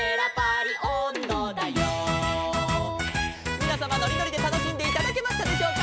「みなさまのりのりでたのしんでいただけましたでしょうか」